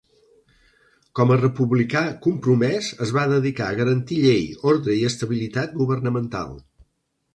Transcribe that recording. Com a republicà compromès, es va dedicar a garantir llei, ordre i estabilitat governamental.